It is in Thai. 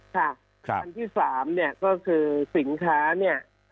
ค่ะครับส่วนที่สามเนี่ยก็คือสินค้าเนี่ยอ่า